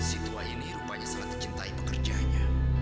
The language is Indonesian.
si tua ini rupanya sangat dicintai pekerjanya